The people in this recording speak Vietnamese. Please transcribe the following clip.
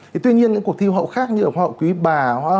thì tuy nhiên những cuộc thiêu hậu khác như là hoa hậu quý bà